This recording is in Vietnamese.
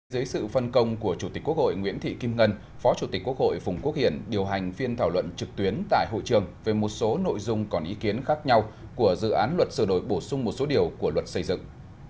dưới sự phân công của chủ tịch quốc hội nguyễn thị kim ngân phó chủ tịch quốc hội phùng quốc hiển điều hành phiên thảo luận trực tuyến tại hội trường về một số nội dung còn ý kiến khác nhau của dự án luật sửa đổi bổ sung một số điều của luật xây dựng